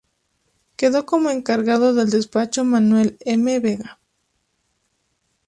Quedó como encargado del despacho Manuel M. Vega.